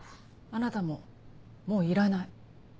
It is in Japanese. あなたももういらない。